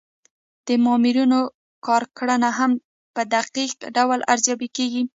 د مامورینو کارکړنه هم په دقیق ډول ارزیابي کیږي.